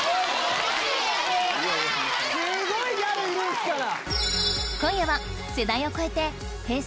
すごいギャルいるんすから。